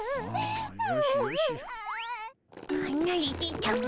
はなれてたも。